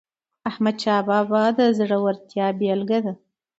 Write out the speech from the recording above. احمدشاه بابا د زړورتیا بېلګه ده.